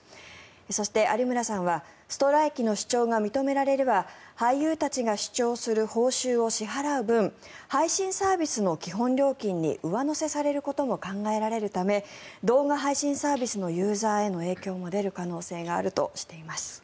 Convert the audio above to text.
そして、有村さんはストライキの主張が認められれば俳優たちが主張する報酬を支払う分配信サービスの基本料金に上乗せされることも考えられるため動画配信サービスのユーザーへの影響も出る可能性もあるとしています。